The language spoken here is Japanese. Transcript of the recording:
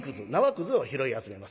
くずを拾い集めます。